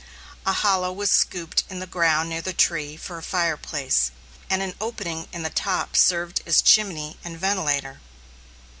A hollow was scooped in the ground near the tree for a fireplace, and an opening in the top served as chimney and ventilator.